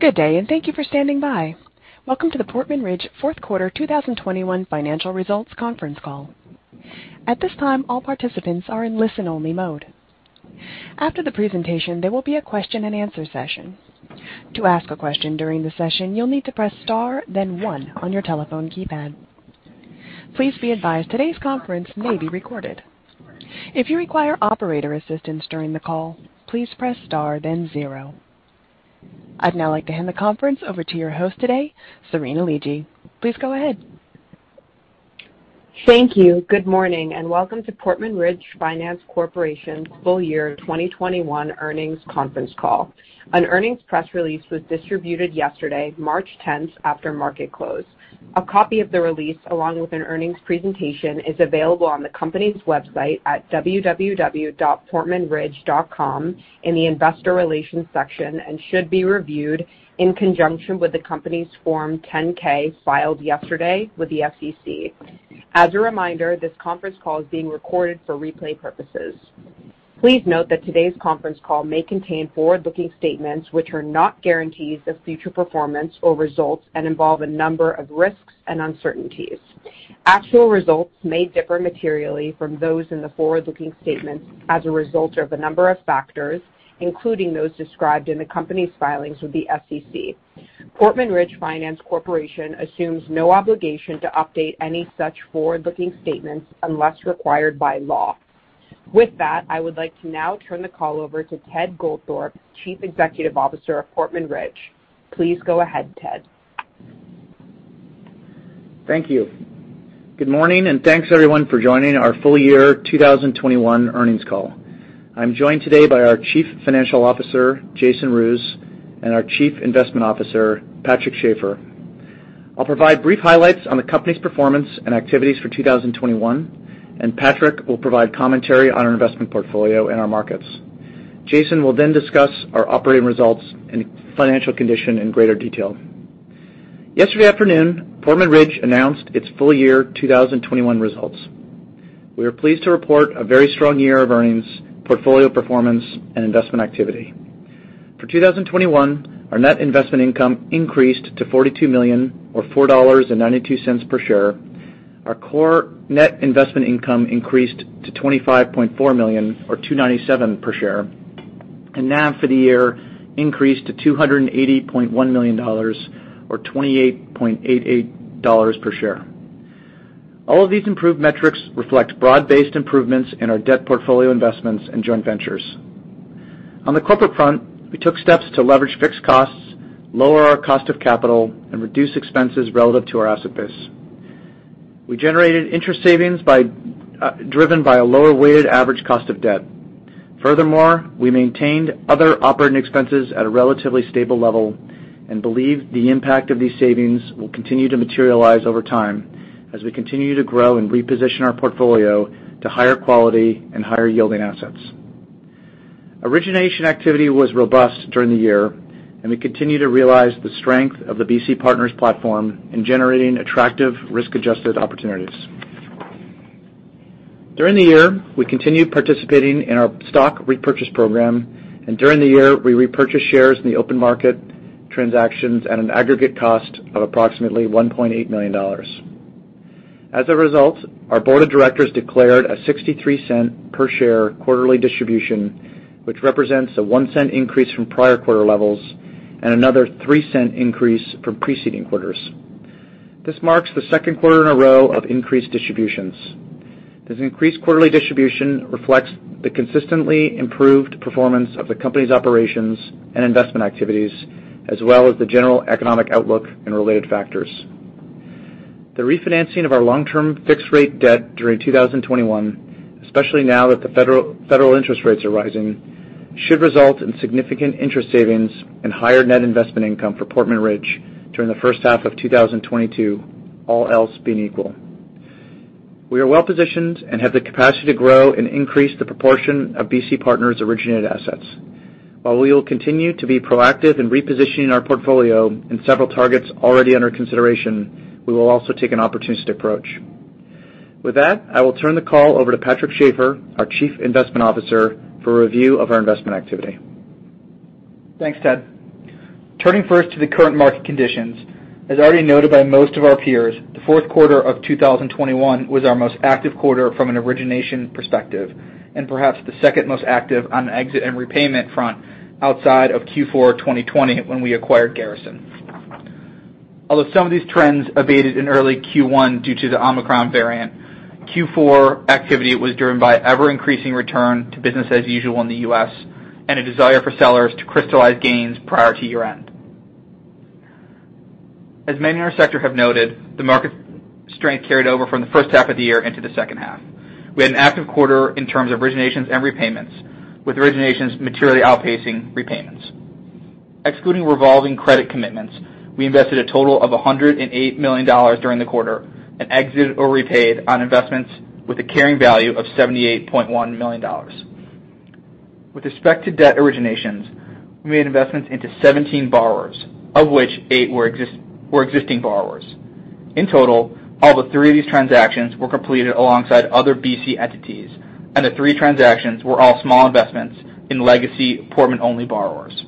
Good day, and thank you for standing by. Welcome to the Portman Ridge fourth quarter 2021 financial results conference call. At this time, all participants are in listen-only mode. After the presentation, there will be a question-and-answer session. To ask a question during the session, you'll need to press star, then one on your telephone keypad. Please be advised today's conference may be recorded. If you require operator assistance during the call, please press star, then zero. I'd now like to hand the conference over to your host today, Serena Liegey. Please go ahead. Thank you. Good morning, and welcome to Portman Ridge Finance Corporation's full-year 2021 earnings conference call. An earnings press release was distributed yesterday, March 10th, after market close. A copy of the release, along with an earnings presentation, is available on the company's website at www.portmanridge.com in the investor relations section and should be reviewed in conjunction with the company's Form 10-K filed yesterday with the SEC. As a reminder, this conference call is being recorded for replay purposes. Please note that today's conference call may contain forward-looking statements which are not guarantees of future performance or results and involve a number of risks and uncertainties. Actual results may differ materially from those in the forward-looking statements as a result of a number of factors, including those described in the company's filings with the SEC. Portman Ridge Finance Corporation assumes no obligation to update any such forward-looking statements unless required by law. With that, I would like to now turn the call over to Ted Goldthorpe, Chief Executive Officer of Portman Ridge. Please go ahead, Ted. Thank you. Good morning, and thanks everyone for joining our full-year 2021 earnings call. I'm joined today by our Chief Financial Officer, Jason Roos, and our Chief Investment Officer, Patrick Schafer. I'll provide brief highlights on the company's performance and activities for 2021, and Patrick will provide commentary on our investment portfolio and our markets. Jason will then discuss our operating results and financial condition in greater detail. Yesterday afternoon, Portman Ridge announced its full-year 2021 results. We are pleased to report a very strong year of earnings, portfolio performance, and investment activity. For 2021, our net investment income increased to $42 million, or $4.92 per share. Our core net investment income increased to $25.4 million, or $2.97 per share, and NAV for the year increased to $280.1 million, or $28.88 per share. All of these improved metrics reflect broad-based improvements in our debt portfolio investments and joint ventures. On the corporate front, we took steps to leverage fixed costs, lower our cost of capital, and reduce expenses relative to our asset base. We generated interest savings driven by a lower weighted average cost of debt. Furthermore, we maintained other operating expenses at a relatively stable level and believe the impact of these savings will continue to materialize over time as we continue to grow and reposition our portfolio to higher quality and higher yielding assets. Origination activity was robust during the year, and we continue to realize the strength of the BC Partners platform in generating attractive risk-adjusted opportunities. During the year, we continued participating in our stock repurchase program, and during the year, we repurchased shares in the open market transactions at an aggregate cost of approximately $1.8 million. As a result, our Board of Directors declared a $0.63 per share quarterly distribution, which represents a $0.01 increase from prior quarter levels and another $0.03 increase from preceding quarters. This marks the second quarter in a row of increased distributions. This increased quarterly distribution reflects the consistently improved performance of the company's operations and investment activities, as well as the general economic outlook and related factors. The refinancing of our long-term fixed-rate debt during 2021, especially now that the federal interest rates are rising, should result in significant interest savings and higher net investment income for Portman Ridge during the first half of 2022, all else being equal. We are well positioned and have the capacity to grow and increase the proportion of BC Partners' originated assets. While we will continue to be proactive in repositioning our portfolio and several targets already under consideration, we will also take an opportunistic approach. With that, I will turn the call over to Patrick Schafer, our Chief Investment Officer, for review of our investment activity. Thanks, Ted. Turning first to the current market conditions, as already noted by most of our peers, the fourth quarter of 2021 was our most active quarter from an origination perspective and perhaps the second most active on an exit and repayment front outside of Q4 2020 when we acquired Garrison. Although some of these trends abated in early Q1 due to the Omicron variant, Q4 activity was driven by an ever-increasing return to business as usual in the U.S. and a desire for sellers to crystallize gains prior to year-end. As many in our sector have noted, the market strength carried over from the first half of the year into the second half. We had an active quarter in terms of originations and repayments, with originations materially outpacing repayments. Excluding revolving credit commitments, we invested a total of $108 million during the quarter and exited or repaid on investments with a carrying value of $78.1 million. With respect to debt originations, we made investments into 17 borrowers, of which eight were existing borrowers. In total, all but three of these transactions were completed alongside other BC entities, and the three transactions were all small investments in legacy Portman-only borrowers.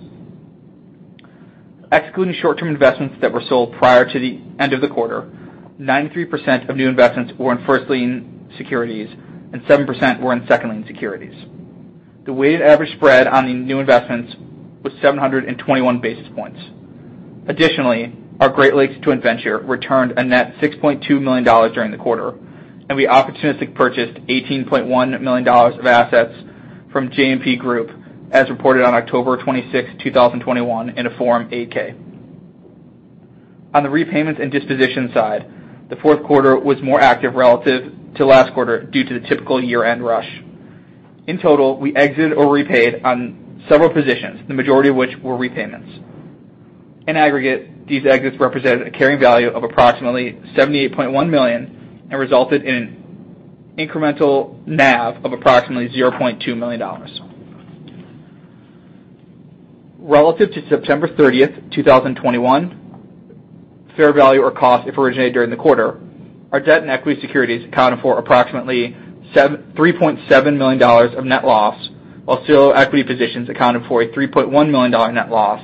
Excluding short-term investments that were sold prior to the end of the quarter, 93% of new investments were in first-lien securities, and 7% were in second-lien securities. The weighted average spread on the new investments was 721 basis points. Additionally, our Great Lakes Joint Venture returned a net $6.2 million during the quarter, and we opportunistically purchased $18.1 million of assets from JMP Group, as reported on October 26th, 2021, in a Form 8-K. On the repayments and disposition side, the fourth quarter was more active relative to last quarter due to the typical year-end rush. In total, we exited or repaid on several positions, the majority of which were repayments. In aggregate, these exits represented a carrying value of approximately $78.1 million and resulted in an incremental NAV of approximately $0.2 million. Relative to September 30th, 2021, fair value or cost if originated during the quarter, our debt and equity securities accounted for approximately $3.7 million of net loss, while CLO equity positions accounted for a $3.1 million net loss,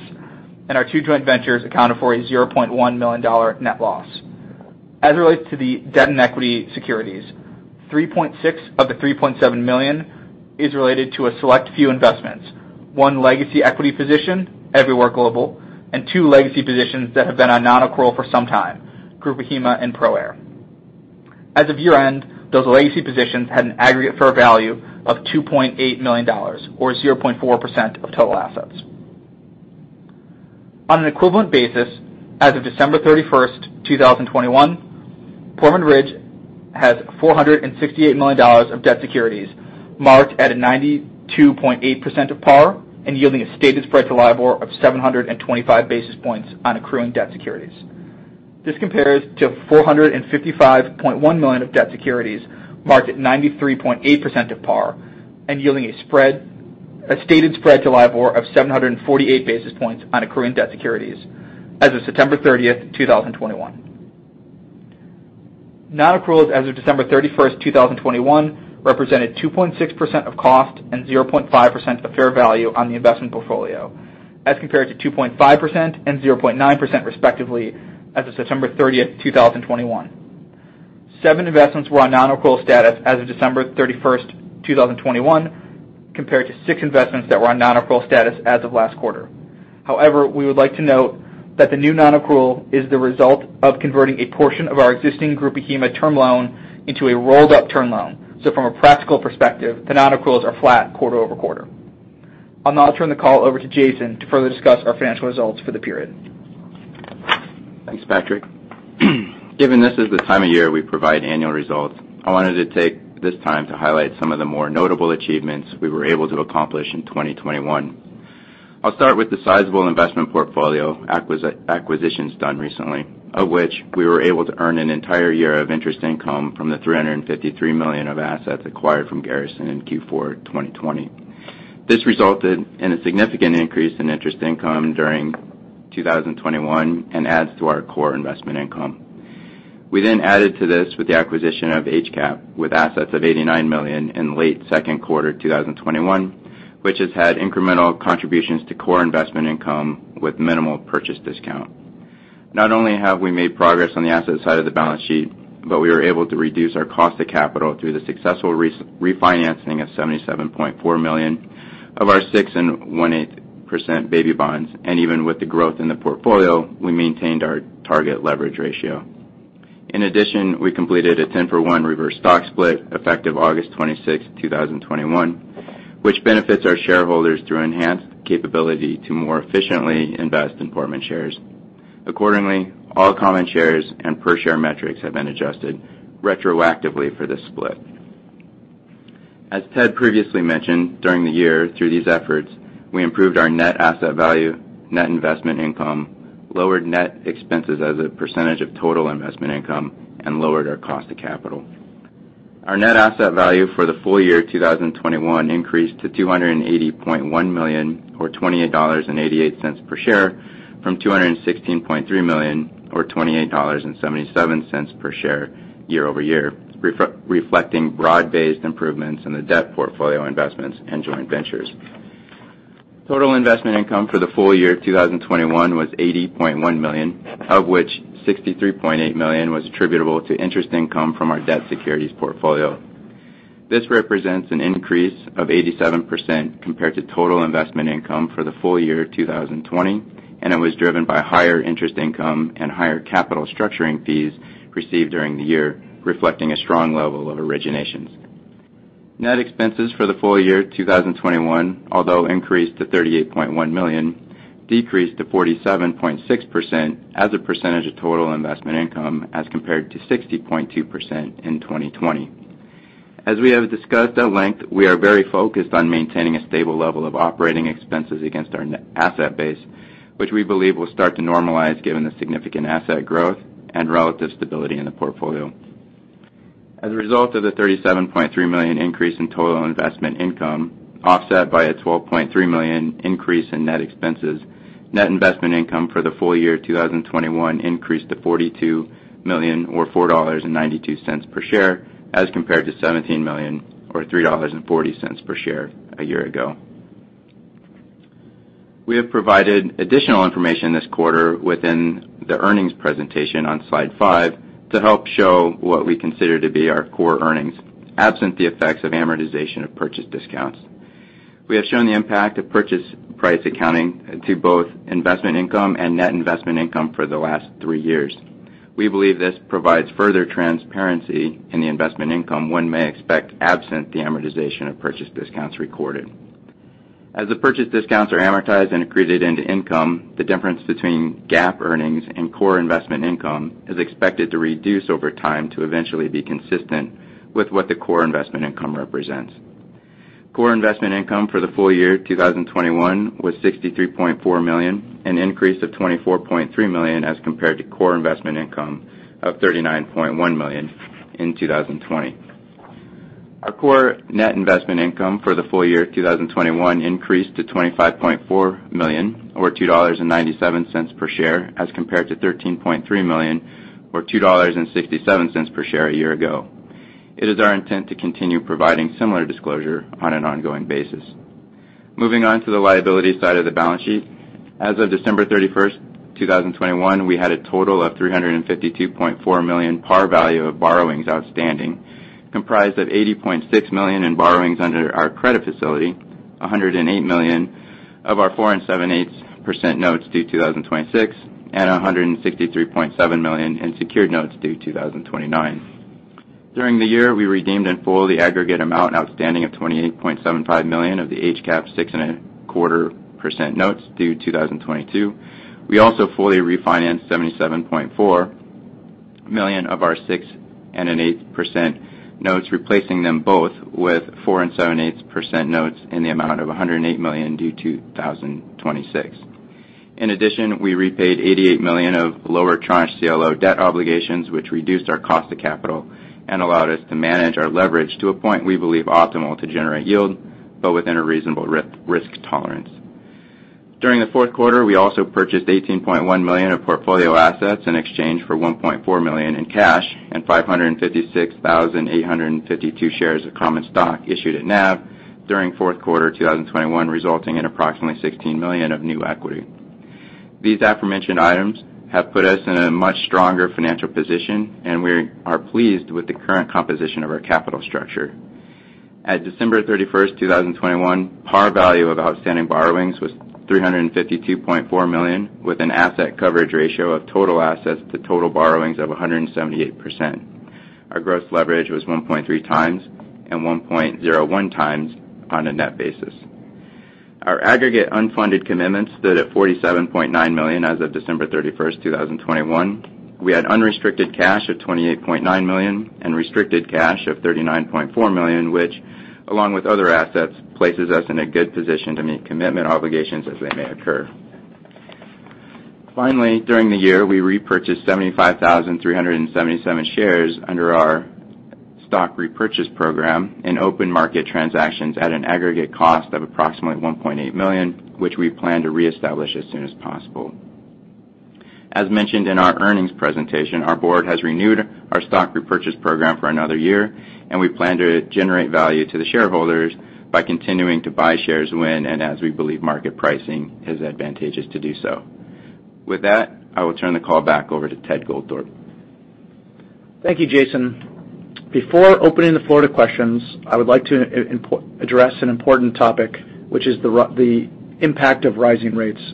and our two joint ventures accounted for a $0.1 million net loss. As it relates to the debt and equity securities, $3.6 million of the $3.7 million is related to a select few investments: one legacy equity position, Everyware Global, and two legacy positions that have been on non-accrual for some time, Groupe HEMA and ProAir. As of year-end, those legacy positions had an aggregate fair value of $2.8 million, or 0.4% of total assets. On an equivalent basis, as of December 31st, 2021, Portman Ridge has $468 million of debt securities marked at 92.8% of par and yielding a stated spread to LIBOR of 725 basis points on accruing debt securities. This compares to $455.1 million of debt securities marked at 93.8% of par and yielding a stated spread to LIBOR of 748 basis points on accruing debt securities as of September 30th, 2021. Non-accruals as of December 31st, 2021, represented 2.6% of cost and 0.5% of fair value on the investment portfolio, as compared to 2.5% and 0.9% respectively as of September 30th, 2021. Seven investments were on non-accrual status as of December 31st, 2021, compared to six investments that were on non-accrual status as of last quarter. However, we would like to note that the new non-accrual is the result of converting a portion of our existing Groupe HEMA term loan into a rolled-up term loan, so from a practical perspective, the non-accruals are flat quarter over quarter. I'll now turn the call over to Jason to further discuss our financial results for the period. Thanks, Patrick. Given this is the time of year we provide annual results, I wanted to take this time to highlight some of the more notable achievements we were able to accomplish in 2021. I'll start with the sizable investment portfolio acquisitions done recently, of which we were able to earn an entire year of interest income from the $353 million of assets acquired from Garrison in Q4 2020. This resulted in a significant increase in interest income during 2021 and adds to our core investment income. We then added to this with the acquisition of HCAP, with assets of $89 million in late second quarter 2021, which has had incremental contributions to core investment income with minimal purchase discount. Not only have we made progress on the asset side of the balance sheet, but we were able to reduce our cost of capital through the successful refinancing of $77.4 million of our 6.125% baby bonds, and even with the growth in the portfolio, we maintained our target leverage ratio. In addition, we completed a 10-for-1 reverse stock split effective August 26, 2021, which benefits our shareholders through enhanced capability to more efficiently invest in Portman shares. Accordingly, all common shares and per-share metrics have been adjusted retroactively for this split. As Ted previously mentioned, during the year, through these efforts, we improved our net asset value, net investment income, lowered net expenses as a percentage of total investment income, and lowered our cost of capital. Our net asset value for the full-year 2021 increased to $280.1 million, or $28.88 per share, from $216.3 million, or $28.77 per share year-over-year, reflecting broad-based improvements in the debt portfolio investments and joint ventures. Total investment income for the full-year 2021 was $80.1 million, of which $63.8 million was attributable to interest income from our debt securities portfolio. This represents an increase of 87% compared to total investment income for the full-year 2020, and it was driven by higher interest income and higher capital structuring fees received during the year, reflecting a strong level of originations. Net expenses for the full-year 2021, although increased to $38.1 million, decreased to 47.6% as a percentage of total investment income as compared to 60.2% in 2020. As we have discussed at length, we are very focused on maintaining a stable level of operating expenses against our asset base, which we believe will start to normalize given the significant asset growth and relative stability in the portfolio. As a result of the $37.3 million increase in total investment income, offset by a $12.3 million increase in net expenses, net investment income for the full-year 2021 increased to $42 million, or $4.92 per share, as compared to $17 million, or $3.40 per share a year ago. We have provided additional information this quarter within the earnings presentation on slide 5 to help show what we consider to be our core earnings, absent the effects of amortization of purchase discounts. We have shown the impact of purchase price accounting to both investment income and net investment income for the last three years. We believe this provides further transparency in the investment income when we may expect, absent the amortization of purchase discounts recorded. As the purchase discounts are amortized and accreted into income, the difference between GAAP earnings and core investment income is expected to reduce over time to eventually be consistent with what the core investment income represents. Core investment income for the full-year 2021 was $63.4 million, an increase of $24.3 million as compared to core investment income of $39.1 million in 2020. Our core net investment income for the full-year 2021 increased to $25.4 million, or $2.97 per share, as compared to $13.3 million, or $2.67 per share a year ago. It is our intent to continue providing similar disclosure on an ongoing basis. Moving on to the liability side of the balance sheet, as of December 31st, 2021, we had a total of $352.4 million par value of borrowings outstanding, comprised of $80.6 million in borrowings under our credit facility, $108 million of our 4 and 7/8% notes due 2026, and $163.7 million in secured notes due 2029. During the year, we redeemed the full aggregate amount outstanding of $28.75 million of the HCAP 6 and 1/4% notes due 2022. We also fully refinanced $77.4 million of our 6 and 1/8% notes, replacing them both with 4 and 7/8% notes in the amount of $108 million due 2026. In addition, we repaid $88 million of lower tranche CLO debt obligations, which reduced our cost of capital and allowed us to manage our leverage to a point we believe optimal to generate yield, but within a reasonable risk tolerance. During the fourth quarter, we also purchased $18.1 million of portfolio assets in exchange for $1.4 million in cash and 556,852 shares of common stock issued at NAV during fourth quarter 2021, resulting in approximately $16 million of new equity. These aforementioned items have put us in a much stronger financial position, and we are pleased with the current composition of our capital structure. At December 31st, 2021, par value of outstanding borrowings was $352.4 million, with an asset coverage ratio of total assets to total borrowings of 178%. Our gross leverage was 1.3 times and 1.01 times on a net basis. Our aggregate unfunded commitments stood at $47.9 million as of December 31st, 2021. We had unrestricted cash of $28.9 million and restricted cash of $39.4 million, which, along with other assets, places us in a good position to meet commitment obligations as they may occur. Finally, during the year, we repurchased 75,377 shares under our stock repurchase program in open market transactions at an aggregate cost of approximately $1.8 million, which we plan to reestablish as soon as possible. As mentioned in our earnings presentation, our board has renewed our stock repurchase program for another year, and we plan to generate value to the shareholders by continuing to buy shares when, and as we believe, market pricing is advantageous to do so. With that, I will turn the call back over to Ted Goldthorpe. Thank you, Jason. Before opening the floor to questions, I would like to address an important topic, which is the impact of rising rates.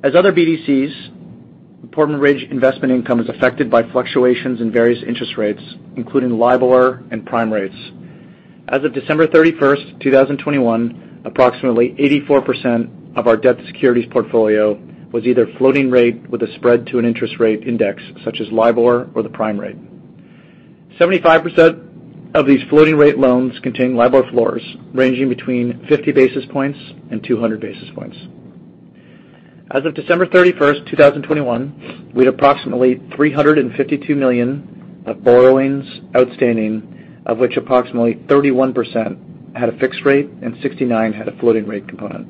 As other BDCs, Portman Ridge investment income is affected by fluctuations in various interest rates, including LIBOR and prime rates. As of December 31st 2021, approximately 84% of our debt securities portfolio was either floating rate with a spread to an interest rate index such as LIBOR or the prime rate. 75% of these floating rate loans contain LIBOR floors ranging between 50 basis points and 200 basis points. As of December 31st, 2021, we had approximately $352 million of borrowings outstanding, of which approximately 31% had a fixed rate and 69% had a floating rate component.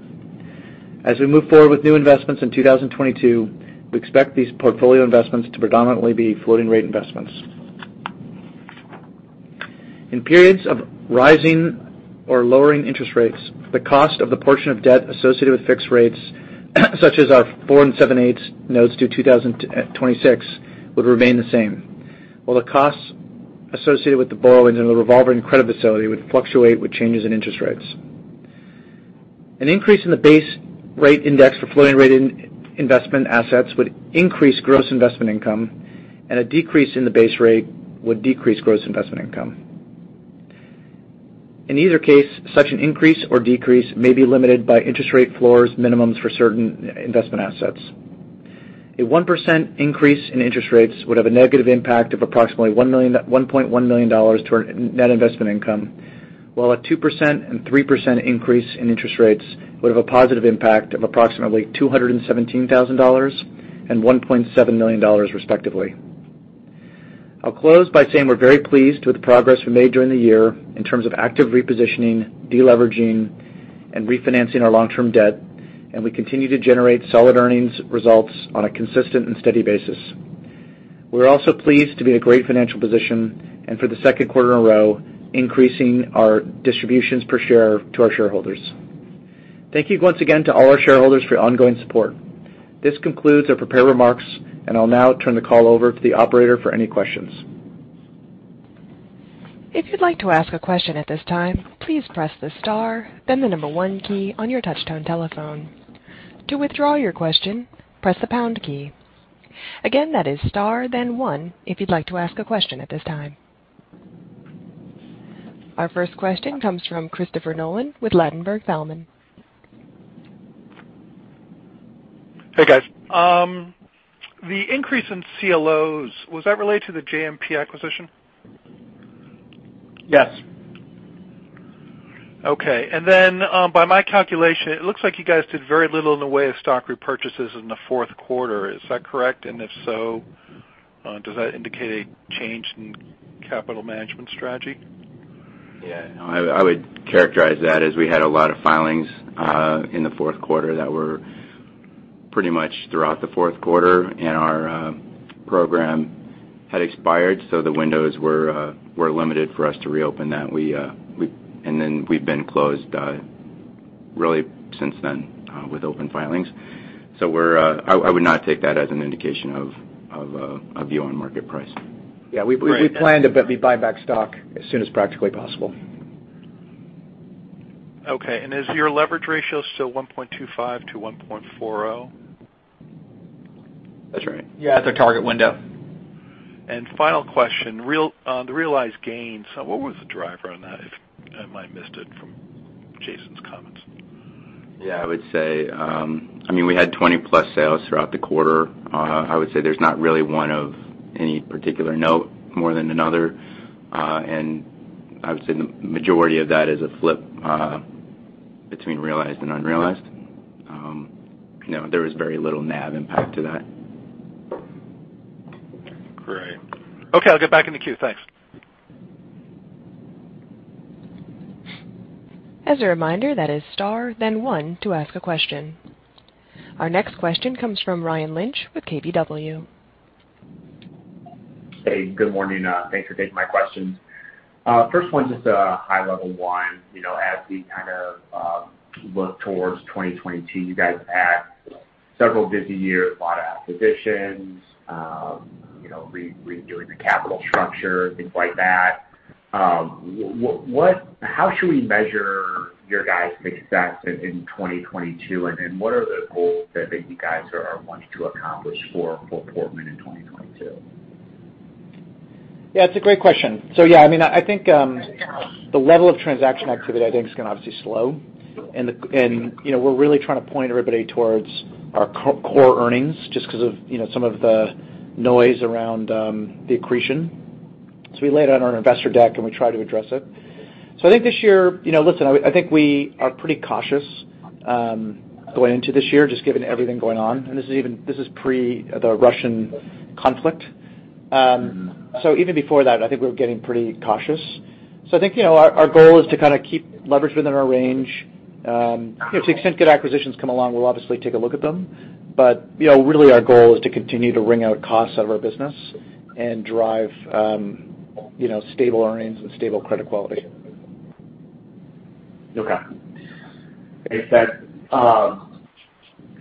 As we move forward with new investments in 2022, we expect these portfolio investments to predominantly be floating rate investments. In periods of rising or lowering interest rates, the cost of the portion of debt associated with fixed rates, such as our 4 and 7/8% notes due 2026, would remain the same, while the costs associated with the borrowings and the revolving credit facility would fluctuate with changes in interest rates. An increase in the base rate index for floating rate investment assets would increase gross investment income, and a decrease in the base rate would decrease gross investment income. In either case, such an increase or decrease may be limited by interest rate floors minimums for certain investment assets. A 1% increase in interest rates would have a negative impact of approximately $1.1 million to our net investment income, while a 2% and 3% increase in interest rates would have a positive impact of approximately $217,000 and $1.7 million, respectively. I'll close by saying we're very pleased with the progress we made during the year in terms of active repositioning, deleveraging, and refinancing our long-term debt, and we continue to generate solid earnings results on a consistent and steady basis. We're also pleased to be in a great financial position and, for the second quarter in a row, increasing our distributions per share to our shareholders. Thank you once again to all our shareholders for your ongoing support. This concludes our prepared remarks, and I'll now turn the call over to the operator for any questions. If you'd like to ask a question at this time, please press the star, then the number one key on your touch-tone telephone. To withdraw your question, press the pound key. Again, that is star, then one, if you'd like to ask a question at this time. Our first question comes from Christopher Nolan with Ladenburg Thalmann. Hey, guys. The increase in CLOs, was that related to the JMP acquisition? Yes. Okay. And then, by my calculation, it looks like you guys did very little in the way of stock repurchases in the fourth quarter. Is that correct? And if so, does that indicate a change in capital management strategy? Yeah. I would characterize that as we had a lot of filings in the fourth quarter that were pretty much throughout the fourth quarter, and our program had expired, so the windows were limited for us to reopen that, and then we've been closed really since then with open filings, so I would not take that as an indication of a view on market price. Yeah. We plan to buy back stock as soon as practically possible. Okay. And is your leverage ratio still 1.25 to 1.40? That's right. Yeah. That's our target window. Final question. The realized gains, what was the driver on that, if I might have missed it from Jason's comments? Yeah. I would say, I mean, we had 20+ sales throughout the quarter. I would say there's not really one of any particular note more than another. And I would say the majority of that is a flip between realized and unrealized. There was very little NAV impact to that. Great. Okay. I'll get back in the queue. Thanks. As a reminder, that is star, then one, to ask a question. Our next question comes from Ryan Lynch with KBW. Hey. Good morning. Thanks for taking my questions. First one, just a high-level one. As we kind of look towards 2022, you guys had several busy years, a lot of acquisitions, redoing the capital structure, things like that. How should we measure your guys' success in 2022? And what are the goals that you guys are wanting to accomplish for Portman in 2022? Yeah. It's a great question. So yeah, I mean, I think the level of transaction activity, I think, is going to obviously slow. And we're really trying to point everybody towards our core earnings just because of some of the noise around the accretion. So we laid out our investor deck, and we tried to address it. So I think this year, listen, I think we are pretty cautious going into this year, just given everything going on. And this is pre the Russian conflict. So even before that, I think we were getting pretty cautious. So I think our goal is to kind of keep leverage within our range. To the extent good acquisitions come along, we'll obviously take a look at them. But really, our goal is to continue to wring out costs out of our business and drive stable earnings and stable credit quality. Okay.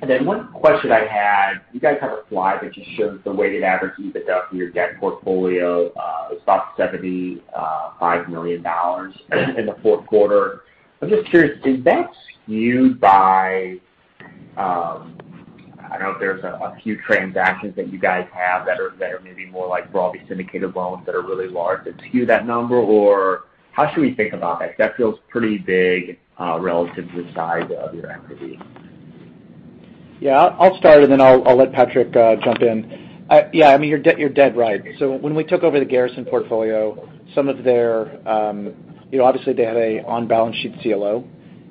And then one question I had. You guys have a slide that just shows the weighted average EBITDA for your debt portfolio. It's about $75 million in the fourth quarter. I'm just curious, is that skewed by, I don't know if there's a few transactions that you guys have that are maybe more like broadly syndicated loans that are really large? Is it skewed that number, or how should we think about that? Because that feels pretty big relative to the size of your equity. Yeah. I'll start, and then I'll let Patrick jump in. Yeah. I mean, you're dead right. So when we took over the Garrison portfolio, some of their, obviously, they had an on-balance sheet CLO,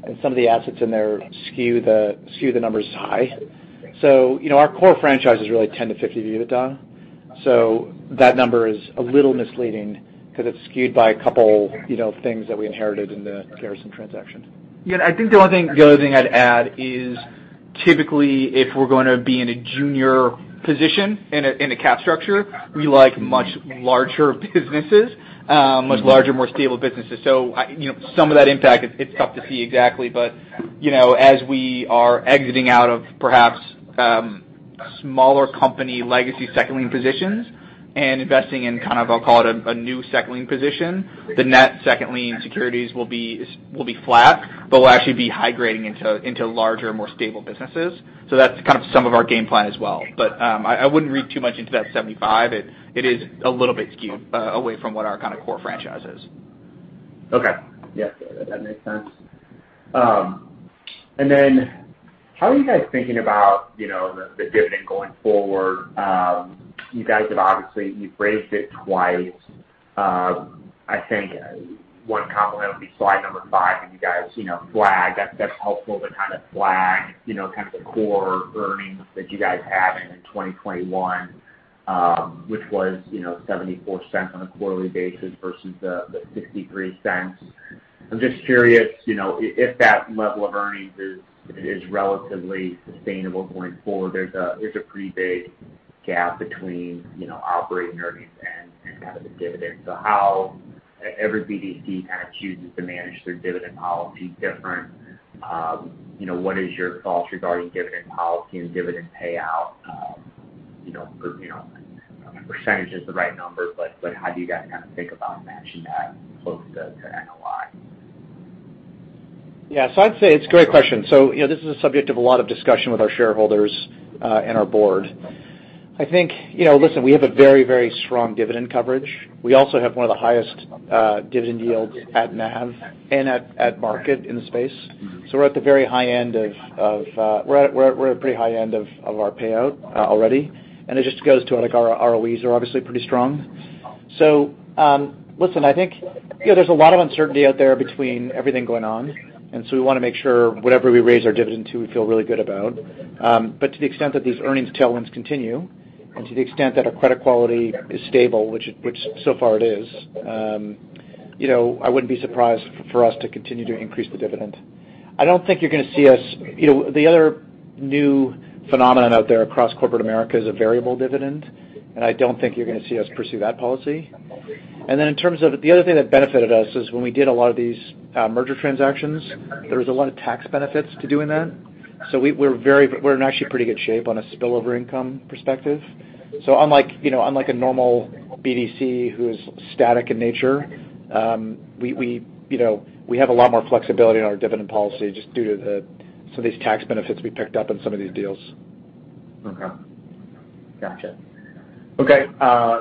and some of the assets in there skew the numbers high. So our core franchise is really 10 to 50 of EBITDA. So that number is a little misleading because it's skewed by a couple of things that we inherited in the Garrison transaction. Yeah. I think the only thing I'd add is, typically, if we're going to be in a junior position in a cap structure, we like much larger businesses, much larger, more stable businesses. So some of that impact, it's tough to see exactly. But as we are exiting out of perhaps smaller company legacy second-lien positions and investing in kind of, I'll call it a new second-lien position, the net second-lien securities will be flat, but we'll actually be high-grading into larger, more stable businesses. So that's kind of some of our game plan as well. But I wouldn't read too much into that 75. It is a little bit skewed away from what our kind of core franchise is. Okay. Yeah. That makes sense. And then how are you guys thinking about the dividend going forward? You guys have obviously, you've raised it twice. I think one compliment would be slide number five that you guys flagged. That's helpful to kind of flag kind of the core earnings that you guys had in 2021, which was $0.74 on a quarterly basis versus the $0.63. I'm just curious if that level of earnings is relatively sustainable going forward. There's a pretty big gap between operating earnings and kind of the dividend. So how every BDC kind of chooses to manage their dividend policy different? What is your thoughts regarding dividend policy and dividend payout? Percentage is the right number, but how do you guys kind of think about matching that close to NOI? Yeah. So I'd say it's a great question. So this is a subject of a lot of discussion with our shareholders and our board. I think, listen, we have a very, very strong dividend coverage. We also have one of the highest dividend yields at NAV and at market in the space. So we're at the very high end of, we're at a pretty high end of our payout already. And it just goes to our ROEs are obviously pretty strong. So listen, I think there's a lot of uncertainty out there between everything going on. And so we want to make sure whatever we raise our dividend to, we feel really good about. But to the extent that these earnings tailwinds continue, and to the extent that our credit quality is stable, which so far it is, I wouldn't be surprised for us to continue to increase the dividend. I don't think you're going to see us. The other new phenomenon out there across corporate America is a variable dividend. And I don't think you're going to see us pursue that policy. And then in terms of the other thing that benefited us is when we did a lot of these merger transactions, there was a lot of tax benefits to doing that. So we're in actually pretty good shape on a spillover income perspective. So unlike a normal BDC who is static in nature, we have a lot more flexibility in our dividend policy just due to some of these tax benefits we picked up in some of these deals. Okay. Gotcha. Okay.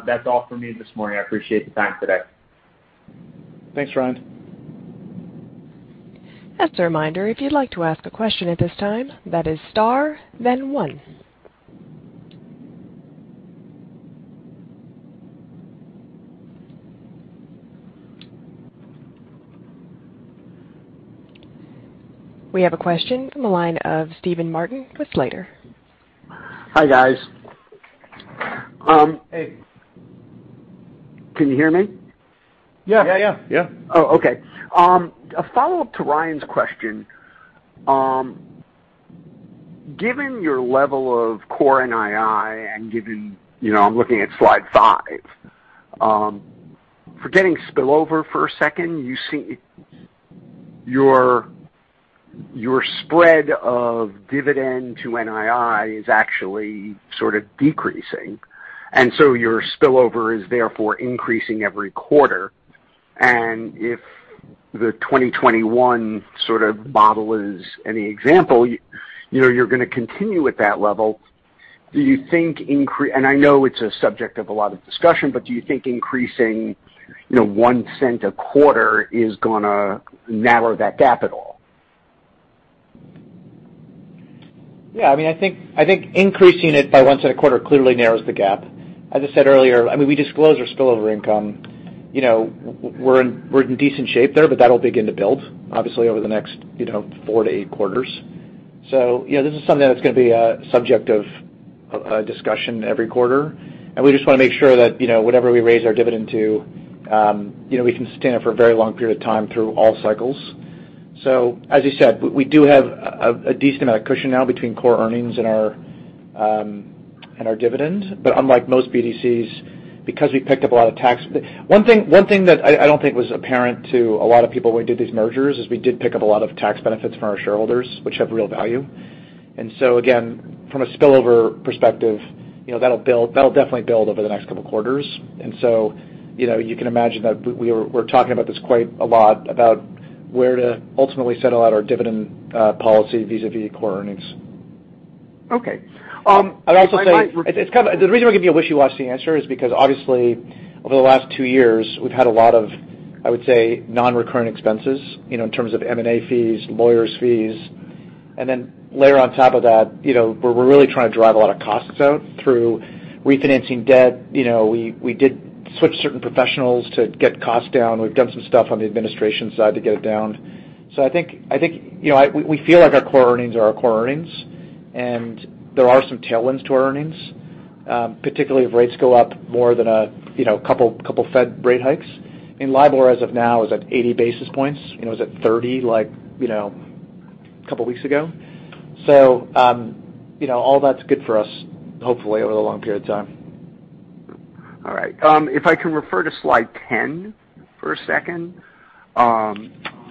That's all for me this morning. I appreciate the time today. Thanks, Ryan. As a reminder, if you'd like to ask a question at this time, that is star, then one. We have a question from the line of Steven Martin with Slater. Hi guys. Hey. Can you hear me? Yeah. Yeah. Yeah. Yeah. Oh, okay. A follow-up to Ryan's question. Given your level of core NII and given, I'm looking at slide five, forgetting spillover for a second, your spread of dividend to NII is actually sort of decreasing. And so your spillover is therefore increasing every quarter. And if the 2021 sort of model is an example, you're going to continue at that level. Do you think, and I know it's a subject of a lot of discussion, but do you think increasing one cent a quarter is going to narrow that gap at all? Yeah. I mean, I think increasing it by $0.01 a quarter clearly narrows the gap. As I said earlier, I mean, we disclose our spillover income. We're in decent shape there, but that'll begin to build, obviously, over the next four to eight quarters. So this is something that's going to be a subject of discussion every quarter. And we just want to make sure that whatever we raise our dividend to, we can sustain it for a very long period of time through all cycles. So as you said, we do have a decent amount of cushion now between core earnings and our dividend. But unlike most BDCs, because we picked up a lot of tax, one thing that I don't think was apparent to a lot of people when we did these mergers is we did pick up a lot of tax benefits from our shareholders, which have real value. And so again, from a spillover perspective, that'll definitely build over the next couple of quarters. And so you can imagine that we're talking about this quite a lot about where to ultimately settle out our dividend policy vis-à-vis core earnings. Okay. I'd also say. I might. The reason I'm giving you a wishy-washy answer is because, obviously, over the last two years, we've had a lot of, I would say, non-recurring expenses in terms of M&A fees, lawyers' fees. And then layer on top of that, we're really trying to drive a lot of costs out through refinancing debt. We did switch certain professionals to get costs down. We've done some stuff on the administration side to get it down. So I think we feel like our core earnings are our core earnings. And there are some tailwinds to our earnings, particularly if rates go up more than a couple of Fed rate hikes. I mean, LIBOR, as of now, is at 80 basis points. It was at 30 a couple of weeks ago. So all that's good for us, hopefully, over the long period of time. All right. If I can refer to slide 10 for a second,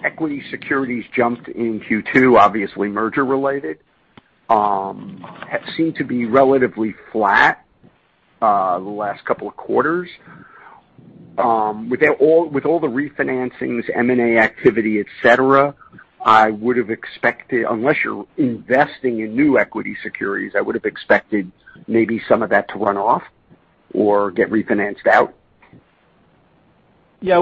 equity securities jumped in Q2, obviously merger-related, seemed to be relatively flat the last couple of quarters. With all the refinancings, M&A activity, etc., I would have expected, unless you're investing in new equity securities, I would have expected maybe some of that to run off or get refinanced out. Yeah.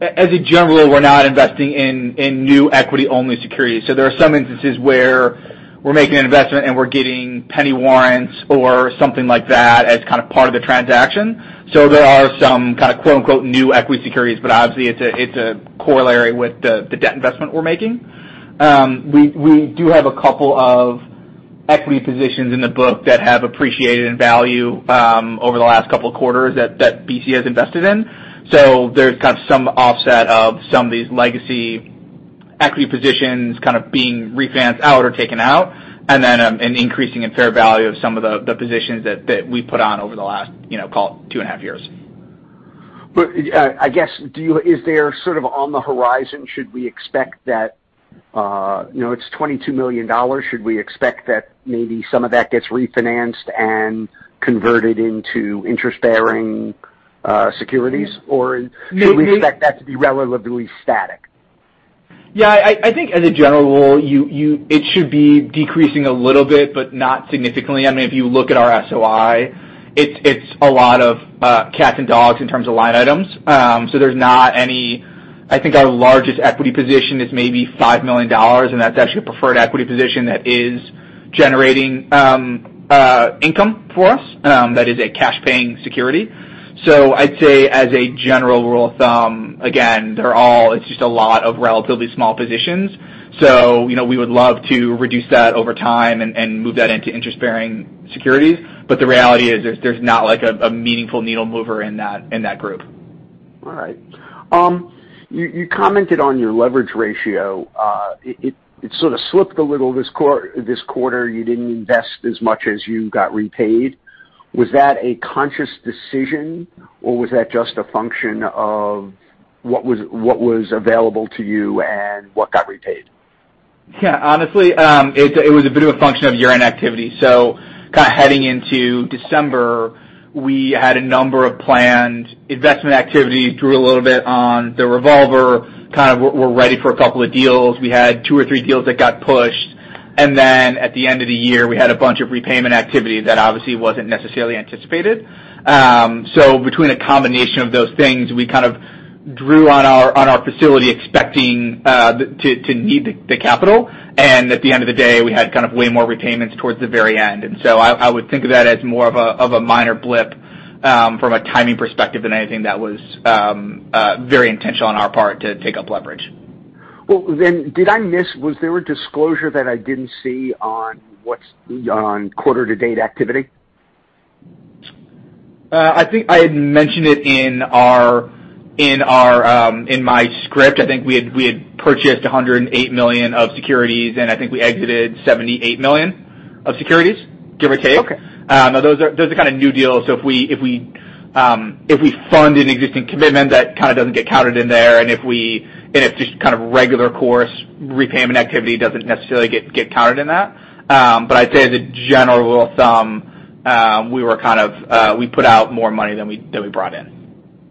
As a general, we're not investing in new equity-only securities. So there are some instances where we're making an investment and we're getting penny warrants or something like that as kind of part of the transaction. So there are some kind of "new equity securities," but obviously, it's a corollary with the debt investment we're making. We do have a couple of equity positions in the book that have appreciated in value over the last couple of quarters that BC has invested in. So there's kind of some offset of some of these legacy equity positions kind of being refinanced out or taken out, and then an increasing in fair value of some of the positions that we put on over the last, call it, two and a half years. But I guess, is there sort of on the horizon, should we expect that it's $22 million, should we expect that maybe some of that gets refinanced and converted into interest-bearing securities, or should we expect that to be relatively static? Yeah. I think, as a general, it should be decreasing a little bit, but not significantly. I mean, if you look at our SOI, it's a lot of cats and dogs in terms of line items. So there's not any, I think our largest equity position is maybe $5 million, and that's actually a preferred equity position that is generating income for us. That is a cash-paying security. So I'd say, as a general rule of thumb, again, they're all, it's just a lot of relatively small positions. So we would love to reduce that over time and move that into interest-bearing securities. But the reality is there's not a meaningful needle mover in that group. All right. You commented on your leverage ratio. It sort of slipped a little this quarter. You didn't invest as much as you got repaid. Was that a conscious decision, or was that just a function of what was available to you and what got repaid? Yeah. Honestly, it was a bit of a function of year-end activity. So kind of heading into December, we had a number of planned investment activity through a little bit on the revolver. Kind of we're ready for a couple of deals. We had two or three deals that got pushed. And then at the end of the year, we had a bunch of repayment activity that obviously wasn't necessarily anticipated. So between a combination of those things, we kind of drew on our facility expecting to need the capital. And at the end of the day, we had kind of way more repayments towards the very end. And so I would think of that as more of a minor blip from a timing perspective than anything that was very intentional on our part to take up leverage. Did I miss, was there a disclosure that I didn't see on quarter-to-date activity? I think I had mentioned it in my script. I think we had purchased $108 million of securities, and I think we exited $78 million of securities, give or take. Those are kind of new deals. So if we fund an existing commitment, that kind of doesn't get counted in there. And if just kind of regular course repayment activity doesn't necessarily get counted in that. But I'd say, as a general rule of thumb, we were kind of, we put out more money than we brought in.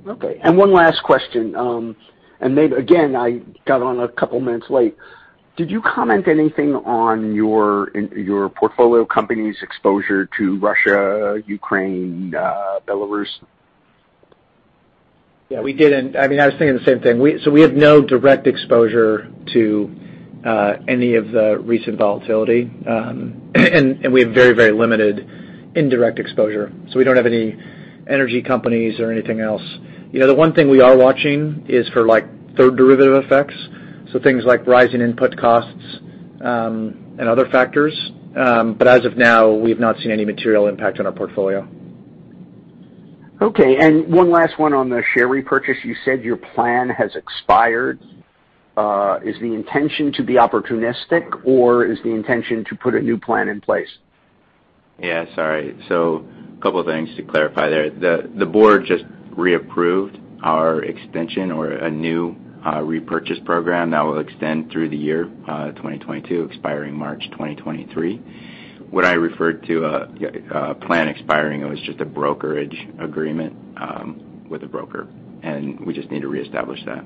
Okay. And one last question. And again, I got on a couple of minutes late. Did you comment anything on your portfolio company's exposure to Russia, Ukraine, Belarus? Yeah. We didn't. I mean, I was thinking the same thing. So we have no direct exposure to any of the recent volatility. And we have very, very limited indirect exposure. So we don't have any energy companies or anything else. The one thing we are watching is for third derivative effects. So things like rising input costs and other factors. But as of now, we have not seen any material impact on our portfolio. Okay. And one last one on the share repurchase. You said your plan has expired. Is the intention to be opportunistic, or is the intention to put a new plan in place? Yeah. Sorry. So a couple of things to clarify there. The board just reapproved our extension or a new repurchase program that will extend through the year 2022, expiring March 2023. When I referred to a plan expiring, it was just a brokerage agreement with a broker. And we just need to reestablish that.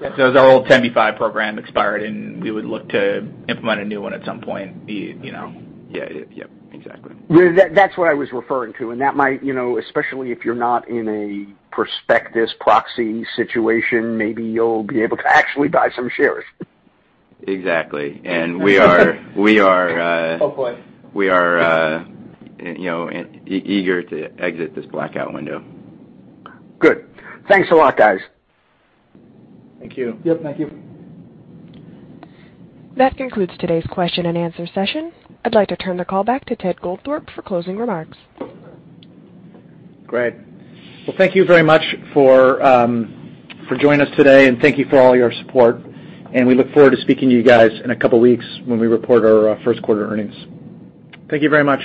Yeah. So it was our old 10b-5 program expired, and we would look to implement a new one at some point. Yeah. Yep. Exactly. That's what I was referring to, and that might, especially if you're not in a prospectus proxy situation, maybe you'll be able to actually buy some shares. Exactly. And we are. Oh, boy. We are eager to exit this blackout window. Good. Thanks a lot, guys. Thank you. Yep. Thank you. That concludes today's question and answer session. I'd like to turn the call back to Ted Goldthorpe for closing remarks. Great. Thank you very much for joining us today. Thank you for all your support. We look forward to speaking to you guys in a couple of weeks when we report our first quarter earnings. Thank you very much.